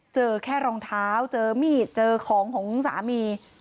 เจอแค่รองเท้าเจอมีดเจอของของสามี